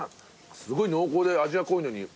すごい濃厚で味が濃いのに。